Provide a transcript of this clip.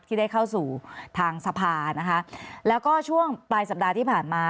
ที่ได้เข้าสู่ทางสภานะคะแล้วก็ช่วงปลายสัปดาห์ที่ผ่านมา